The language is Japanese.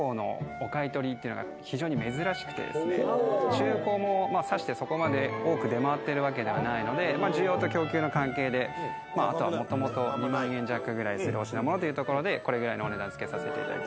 中古もさしてそこまで多く出回ってるわけではないので需要と供給の関係であとはもともと２万円弱するお品物というところでこれぐらいのお値段付けさせていただいてます。